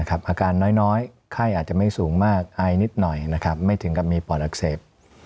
อาการน้อยไข้อาจจะไม่สูงมากอายนิดหน่อยไม่ถึงกับมีปอดอักเสบ